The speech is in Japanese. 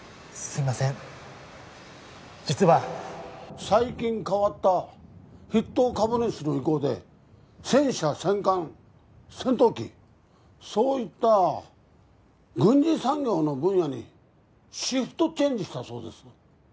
すいません実は最近代わった筆頭株主の意向で戦車戦艦戦闘機そういった軍需産業の分野にシフトチェンジしたそうです